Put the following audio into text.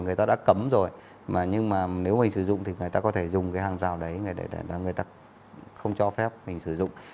người ta đã cấm rồi mà nhưng mà nếu mình sử dụng thì người ta có thể dùng cái hàng rào đấy để người ta không cho phép mình sử dụng